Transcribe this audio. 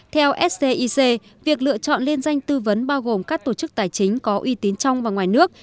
theo scic việc lựa chọn liên danh tư vấn bao gồm các tổ chức tài chính có uy tín trong và ngoài nước